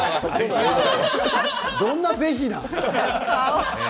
どんな、ぜひが。